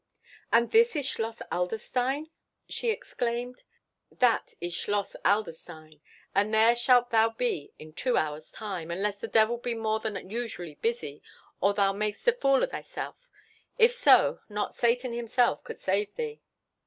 "And this is Schloss Adlerstein?" she exclaimed. "That is Schloss Adlerstein; and there shalt thou be in two hours' time, unless the devil be more than usually busy, or thou mak'st a fool of thyself. If so, not Satan himself could save thee."